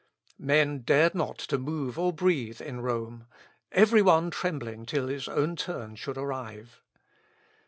Men dared not to move or breathe in Rome, every one trembling till his own turn should arrive.